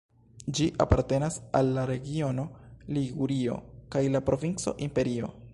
Ĝi apartenas al la regiono Ligurio kaj la provinco Imperio.